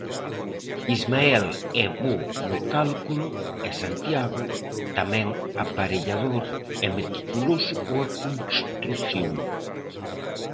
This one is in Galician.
Ismael é bo no cálculo e Santiago, tamén aparellador, é meticuloso coa construción.